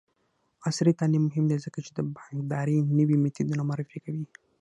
عصري تعلیم مهم دی ځکه چې د بانکدارۍ نوې میتودونه معرفي کوي.